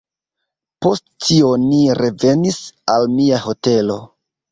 Post tio ni revenis al mia hotelo.